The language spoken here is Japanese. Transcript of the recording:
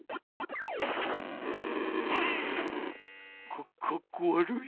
かっかっこわるい。